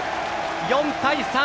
４対３。